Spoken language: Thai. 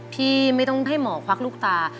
ที่ไม่ต้องให้หมอควักลูกตา